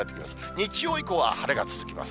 日曜以降は晴れが続きます。